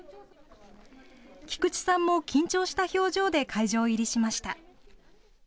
菊池さんも緊張した表情で会場入りしました。